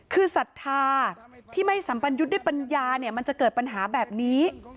คือศรัทธาที่ไม่สัมปันยุทธ์ด้วยปัญญาเนี่ยมันจะเกิดปัญหาแบบนี้